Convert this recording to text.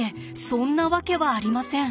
そんなわけはありません。